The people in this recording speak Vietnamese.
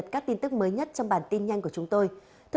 hãy đăng ký kênh để ủng hộ kênh của chúng tôi nhé